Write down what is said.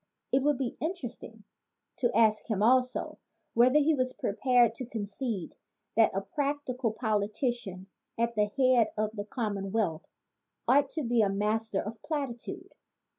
It would be interesting to ask him also whether he was prepared to concede that a practical politician at the head of the commonwealth ought to be a master of plati tude.